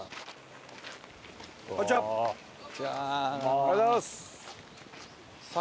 ありがとうございます！